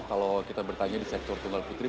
kalau kita bertanya di sektor tunggal putri